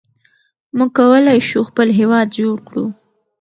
موږ کولای شو خپل هېواد جوړ کړو.